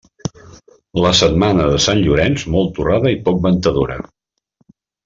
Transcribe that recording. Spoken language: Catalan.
La setmana de Sant Llorenç, molt torrada i poc ventadora.